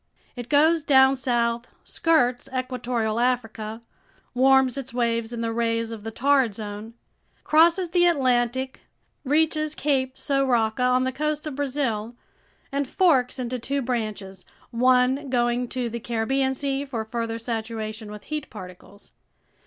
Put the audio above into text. It goes down south, skirts equatorial Africa, warms its waves in the rays of the Torrid Zone, crosses the Atlantic, reaches Cape São Roque on the coast of Brazil, and forks into two branches, one going to the Caribbean Sea for further saturation with heat particles.